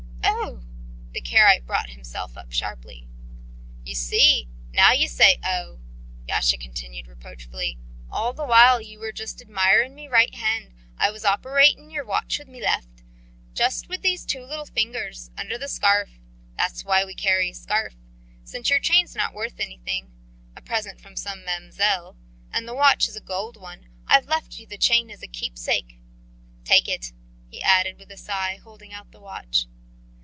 "Oh!" the Karaite brought himself up sharp. "You see now you say 'Oh!'" Yasha continued reproachfully. "All the while you were admiring me right hand, I was operatin' yer watch with my left. Just with these two little fingers, under the scarf. That's why we carry a scarf. Since your chain's not worth anything a present from some mamselle and the watch is a gold one, I've left you the chain as a keepsake. Take it," he added with a sigh, holding out the watch.